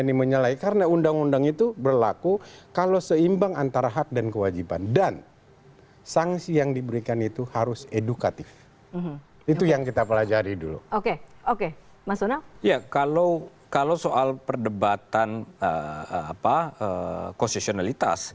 ini kita bicara substansi